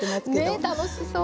ねえ楽しそう。